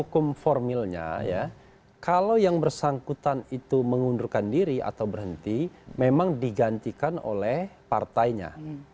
kalau yang bersangkutan itu mengundurkan diri atau berhenti memang digantikan oleh partainya